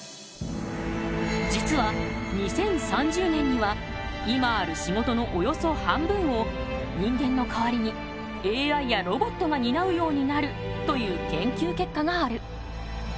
実は２０３０年には今ある仕事のおよそ半分を人間の代わりにＡＩやロボットが担うようになるという研究結果がある。